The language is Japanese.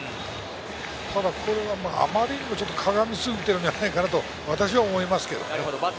ただ、あまりにもかがみ過ぎているんじゃないかなと私は思いますけれどね。